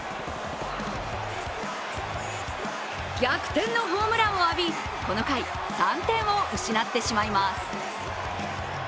逆転のホームランを浴び、この回、３点を失ってしまいます。